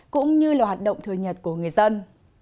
cũng như là hoạt động thừa nhật của người dân